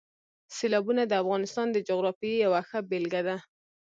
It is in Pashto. سیلابونه د افغانستان د جغرافیې یوه ښه بېلګه ده.